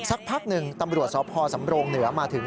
สักพักหนึ่งตำรวจท้อพ่อสำโรงเหนือมาถึงจุดเกิดเหตุ